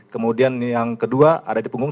kemudian yang kedua ada di punggung